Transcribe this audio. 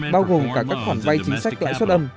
bao gồm cả các khoản vay chính sách lại xuất âm